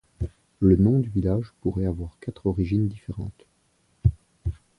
Le nom du village pourrait avoir quatre origines différentes.